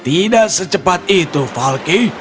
tidak secepat itu falky